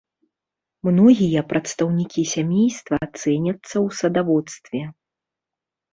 Многія прадстаўнікі сямейства цэняцца ў садаводстве.